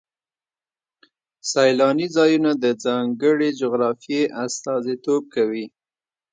سیلاني ځایونه د ځانګړې جغرافیې استازیتوب کوي.